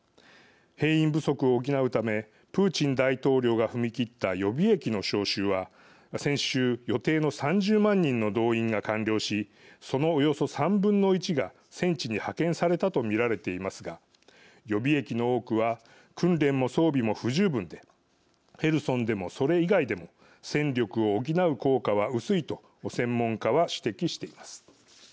兵員不足を補うためプーチン大統領が踏み切った予備役の招集は、先週予定の３０万人の動員が完了しそのおよそ３分の１が戦地に派遣されたと見られていますが予備役の多くは訓練も装備も不十分でヘルソンでも、それ以外でも戦力を補う効果は薄いと専門家は指摘しています。